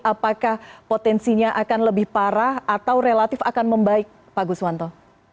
apakah potensinya akan lebih parah atau relatif akan membaik pak guswanto